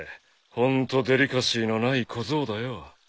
ホントデリカシーのない小僧だよ。